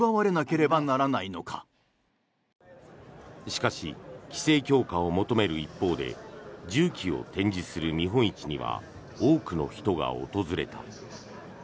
しかし規制強化を求める一方で銃器を展示する見本市には多くの人が訪れた。